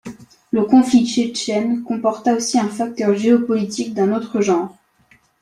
Le conflit tchétchène comporta aussi un facteur géopolitique d'un autre genre.